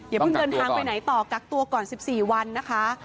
อย่าเพิ่งเดินทางไปไหนต่อกักตัวก่อน๑๔วันนะคะ